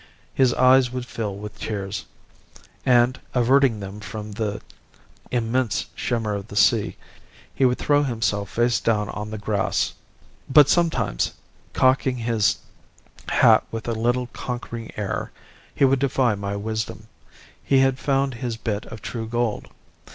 His eyes would fill with tears, and, averting them from the immense shimmer of the sea, he would throw himself face down on the grass. But sometimes, cocking his hat with a little conquering air, he would defy my wisdom. He had found his bit of true gold.